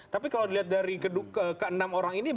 tapi kalau dilihat dari ke enam orang ini